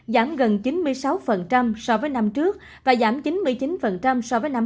giảm gần chín mươi sáu so với năm trước và giảm chín mươi chín so với năm hai nghìn một mươi